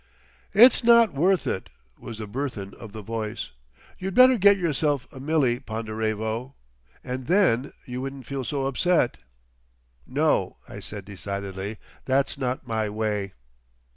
"It's not worth it," was the burthen of the voice. "You'd better get yourself a Millie, Ponderevo, and then you wouldn't feel so upset." "No," I said decidedly, "that's not my way."